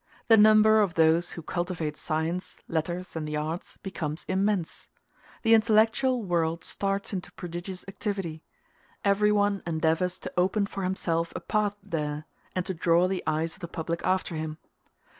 The number of those who cultivate science, letters, and the arts, becomes immense. The intellectual world starts into prodigious activity: everyone endeavors to open for himself a path there, and to draw the eyes of the public after him.